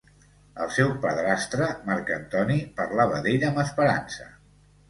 El seu padrastre Marc Antoni parlava d'ell amb esperança.